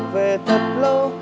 về thật lâu